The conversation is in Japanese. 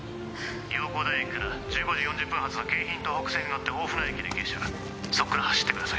洋光台駅から１５時４０分発の京浜東北線に乗って大船駅で下車そこから走ってください